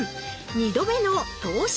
２度目の投資